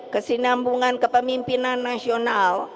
kesinambungan kepemimpinan nasional